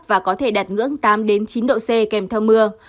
và có thể đạt ngưỡng tám chín độ c kèm theo mưa